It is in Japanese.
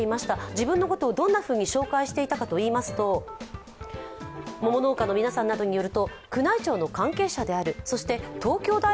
自分のことをどんなふうに紹介していたかといいますとよく分からないんですよね。